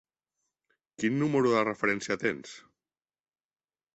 Quin número de referència tens?